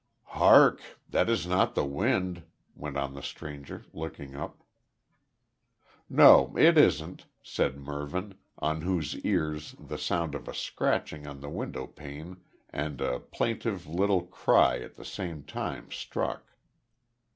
"Hark! That is not the wind," went on the stranger, looking up. "No, it isn't," said Mervyn, on whose ears the sound of a scratching on the windowpane and a plaintive little cry at the same time struck.